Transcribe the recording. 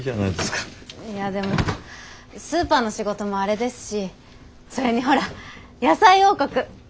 いやでもスーパーの仕事もあれですしそれにほら野菜王国！